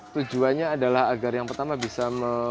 tujuannya adalah agar yang pertama bisa